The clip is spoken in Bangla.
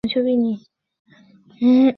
সাংবাদিকদের মতো মধ্যমপন্থা অনুসরণ করা উচিত আমার।